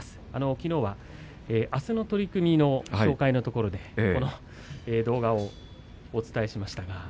きのうはあすの取組の紹介のところでこの動画をお伝えしました。